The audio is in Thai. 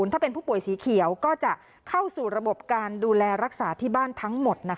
ถ้าเป็นผู้ป่วยสีเขียวก็จะเข้าสู่ระบบการดูแลรักษาที่บ้านทั้งหมด